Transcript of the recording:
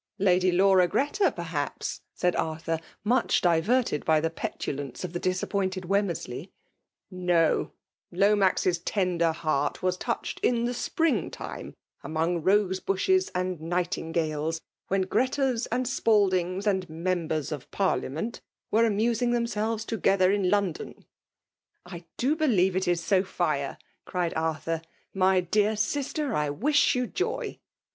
" Lady Laura Greta, perhaps ? said A r* thur, much diverted by the petulance of the disappointed Wemmersley. " No !— Lomax's tender heart was touehcfl in the spring time, among rose bushes and nightingales, when Gretas and Spaldings, and members of parliament were amusing them > selves together in London/' ''' I do believe it is Sophia!" cried Arthilkr ;My dear sister, I wish you joy